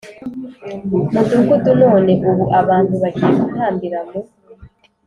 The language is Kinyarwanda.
Mudugudu none ubu abantu bagiye gutambira mu